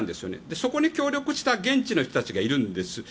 そこに協力した現地の人たちがいるんです。